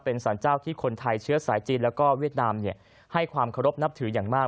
เป็นสารเจ้าที่คนไทยเชื้อสายจีนแล้วก็เวียดนามให้ความเคารพนับถืออย่างมาก